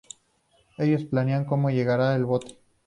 Ellos planean cómo llegarán al bote.